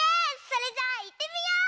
それじゃあいってみよう！